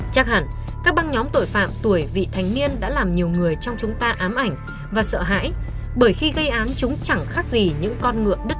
chắc hẳn các băng nhóm tội phạm tuổi vị thành niên đã làm nhiều người trong chúng ta ám ảnh và sợ hãi bởi khi gây án chúng chẳng khác gì những con ngựa đất